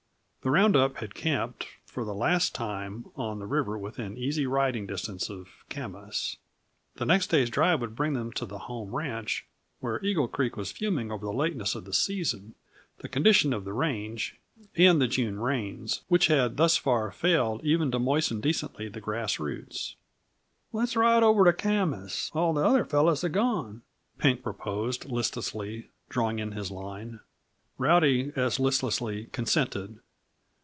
The round up had camped, for the last time, on the river within easy riding distance of Camas. The next day's drive would bring them to the home ranch, where Eagle Creek was fuming over the lateness of the season, the condition of the range, and the June rains, which had thus far failed even to moisten decently the grass roots. "Let's ride over to Camas; all the other fellows have gone," Pink proposed listlessly, drawing in his line. Rowdy as listlessly consented.